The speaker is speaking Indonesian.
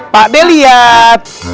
pak d liat